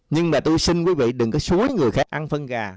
nhưng mà tôi xin quý vị đừng có xúi người khác ăn phân gà